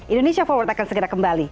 indonesia forward akan segera kembali